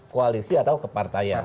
koalisi atau kepartayaan